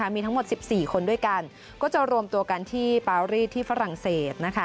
มีทั้งหมด๑๔คนด้วยกันก็จะรวมตัวกันที่ปารีสที่ฝรั่งเศส